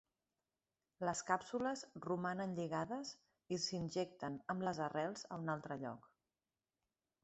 Les càpsules romanen lligades i s'injecten amb les arrels a un altre lloc.